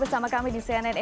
pchanu satu lagi